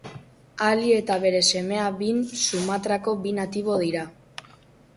Ali eta bere semea Bin Sumatrako bi natibo dira.